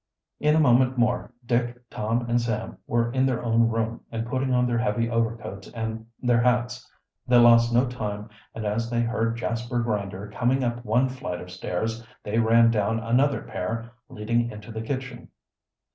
In a moment more Dick, Tom, and Sam were in their own room and putting on their heavy overcoats and their hats. They lost no time, and as they heard Jasper Grinder coming up one flight of stairs they ran down another pair leading into the kitchen.